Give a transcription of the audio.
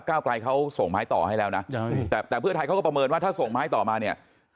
ไกลเขาส่งไม้ต่อให้แล้วนะแต่แต่เพื่อไทยเขาก็ประเมินว่าถ้าส่งไม้ต่อมาเนี่ย